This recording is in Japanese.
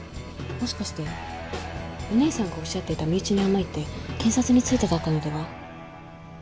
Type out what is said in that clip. もしかしてお姉さんがおっしゃっていた身内に甘いって検察についてだったのでは？